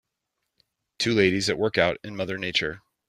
Two ladies at workout in mother nature.